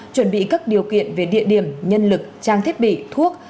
chuẩn bị các điều kiện về địa điểm nhân lực trang thiết bị thuốc